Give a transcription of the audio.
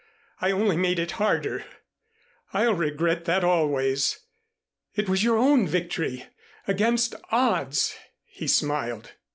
I only made it harder. I'll regret that always. It was your own victory against odds." He smiled.